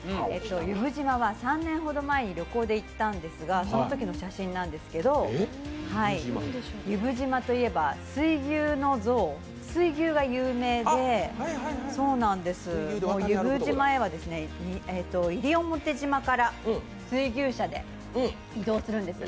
由布島は３年ほど前に行ったんですけどそのときの写真なんですが、由布島といえば水牛が有名で由布島へは西表島から水牛車で移動するんです。